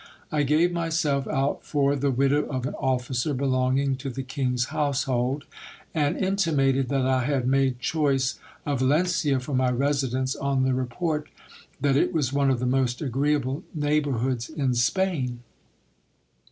I gave myself out for the widow of an officer belonging to the king's household, and intimated that I had made choice of Valencia for my residence, on the report that it was one of the most agreeable neighbourhoods in Spain.